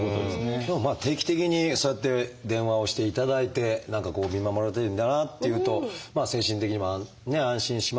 でもまあ定期的にそうやって電話をしていただいて何かこう見守られてるんだなっていうと精神的にも安心しますし。